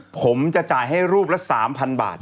ผมจะจ่ายให้รูปละ๓๐๐บาท